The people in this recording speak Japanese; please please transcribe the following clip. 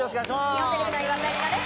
日本テレビの岩田絵里奈です